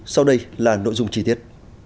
sau đây là nội dung chi tiết